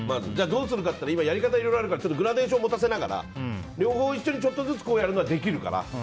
どうするかっていったら今、やり方はいろいろあるからグラデーションを持たせながら両方ちょっとずつやるのはできるから。